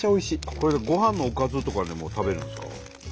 これごはんのおかずとかでも食べるんですか？